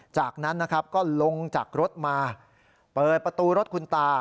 จากนั้นนะครับก็ลงจากรถมาเปิดประตูรถคุณตา